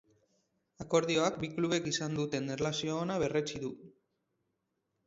Akordioak bi klubek izan duten erlazio ona berretsi du.